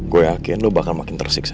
gue yakin lo bakal makin tersiksa